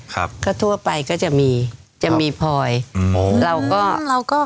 ครับก็ทั่วไปก็จะมีจะมีพลอยอืมเราก็เราก็